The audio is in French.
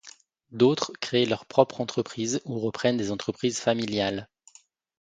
D'autres créent leur propre entreprise ou reprennent des entreprises familiales.